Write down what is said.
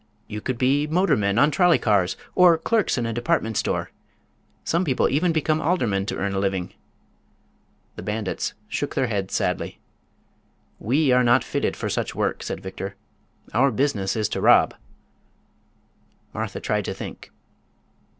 "You could be motor men on trolley cars, or clerks in a department store. Some people even become aldermen to earn a living." The bandits shook their heads sadly. "We are not fitted for such work," said Victor. "Our business is to rob." Martha tried to think.